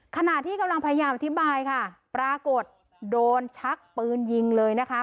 ขณะที่กำลังพยายามอธิบายค่ะปรากฏโดนชักปืนยิงเลยนะคะ